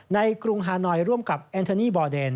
ในกรุงฮาหน่อยร่วมกับแอนทานีบอเดน